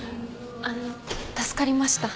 あの助かりました。